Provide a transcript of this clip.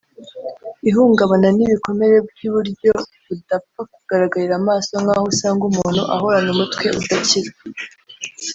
ihungabana n’ibikomere by’uburyo budapfa kugaragarira amaso nk’aho usanga umuntu ahorana umutwe udakira